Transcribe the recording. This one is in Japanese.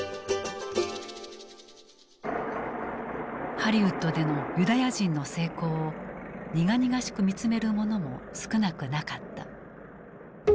ハリウッドでのユダヤ人の成功を苦々しく見つめる者も少なくなかった。